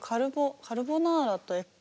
カルボナーラとエッグ？